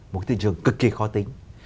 một thị trường cực kỳ khó tính